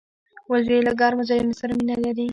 وزې له ګرمو ځایونو سره مینه لري